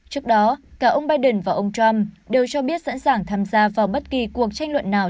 trước đó cả ông biden và ông trump đều cho biết sẵn sàng tham gia vào bất kỳ cuộc tranh luận nào